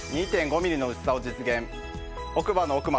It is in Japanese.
２．５ｍｍの薄さを実現。